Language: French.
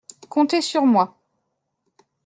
Comptez sur moi…